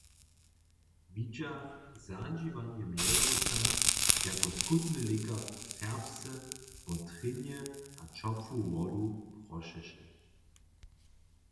Widźach zadźiwane mjezwoča, jako skótny lěkar serbsce wo trjenje a ćopłu wodu prošeše.